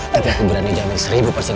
tapi aku berani jamin seribu persen